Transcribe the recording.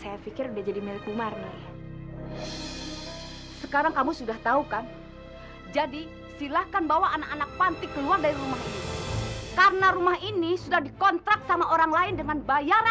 apalagi sekarang mas harton sudah dipenjara